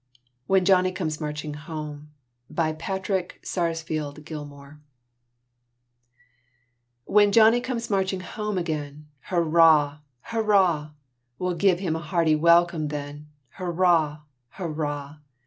WHEN JOHNNY COMES MARCHING HOME When Johnny comes marching home again, Hurrah! hurrah! We'll give him a hearty welcome then, Hurrah! hurrah!